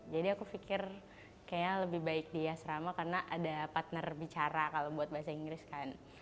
jadi aku pikir kayaknya lebih baik di asrama karena ada partner bicara kalau buat bahasa inggris kan